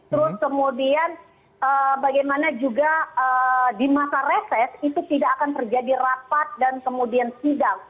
terus kemudian bagaimana juga di masa reses itu tidak akan terjadi rapat dan kemudian sidang